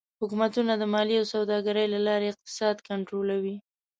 حکومتونه د مالیې او سوداګرۍ له لارې اقتصاد کنټرولوي.